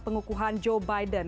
pengukuhan joe biden